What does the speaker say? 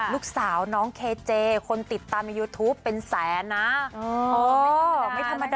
แล้วพี่ต้ามอายุ๕๙แต่ว่ายังหล่อฟื้น